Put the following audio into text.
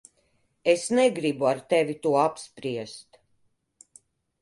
Es negribu ar tevi to apspriest.